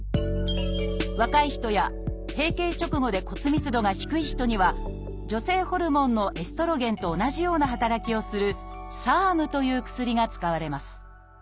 若い人や閉経直後で骨密度が低い人には女性ホルモンのエストロゲンと同じような働きをする「ＳＥＲＭ」という薬が使われます